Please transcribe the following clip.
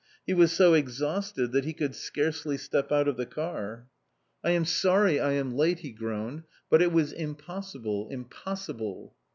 He was so exhausted that he could scarcely step out of the car. "I am sorry I am late," he groaned, "but it was impossible, impossible."